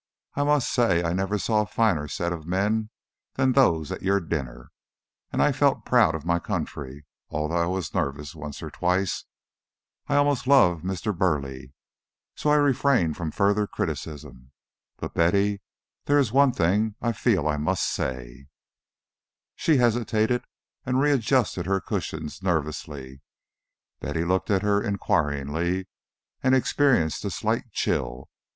I must say I never saw a finer set of men than those at your dinner, and I felt proud of my country, although I was nervous once or twice. I almost love Mr. Burleigh; so I refrain from further criticism. But, Betty, there is one thing I feel I must say " She hesitated and readjusted her cushions nervously. Betty looked at her inquiringly, and experienced a slight chill.